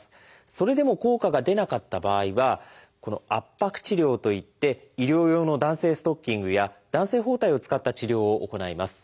それでも効果が出なかった場合はこの「圧迫治療」といって医療用の弾性ストッキングや弾性包帯を使った治療を行います。